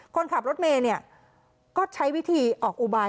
คนขับรถเมย์ก็ใช้วิธีออกอุบาย